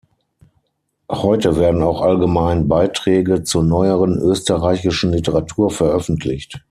Heute werden auch allgemein Beiträge zur neueren österreichischen Literatur veröffentlicht.